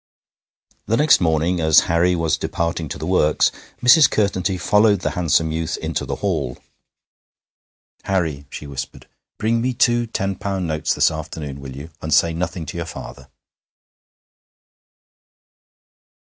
The next morning, as Harry was departing to the works, Mrs. Curtenty followed the handsome youth into the hall. 'Harry,' she whispered, 'bring me two ten pound notes this afternoon, will you, and say nothing to your father.'